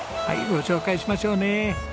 はいご紹介しましょうね。